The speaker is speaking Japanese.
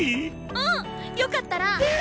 うんよかったら。